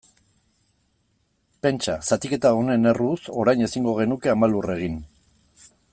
Pentsa, zatiketa honen erruz, orain ezingo genuke Ama Lur egin.